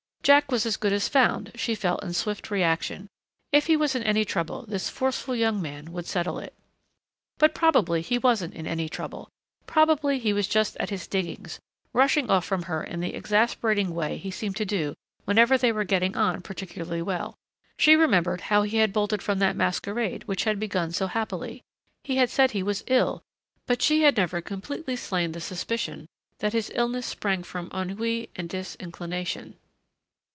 Jack was as good as found, she felt in swift reaction. If he was in any trouble this forceful young man would settle it. But probably he wasn't in any trouble. Probably he was just at his diggings rushing off from her in the exasperating way he seemed to do whenever they were getting on particularly well.... She remembered how he had bolted from that masquerade which had begun so happily. He had said he was ill, but she had never completely slain the suspicion that his illness sprang from ennui and disinclination.